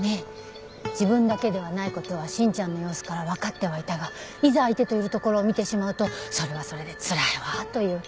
自分だけではないことは真ちゃんの様子から分かってはいたがいざ相手といるところを見てしまうとそれはそれでつらいわという。